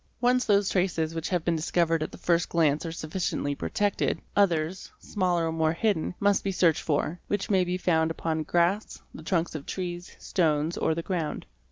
Once those traces which have been discovered at the first glance are sufficiently protected, others, smaller or more hidden, must be searched for, which may be found upon grass, the trunks of trees, stones, or the ground.